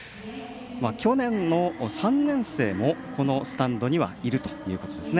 去年の３年生もこのスタンドにはいるということですね。